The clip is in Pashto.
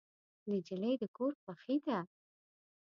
نجلۍ د کور خوښي ده.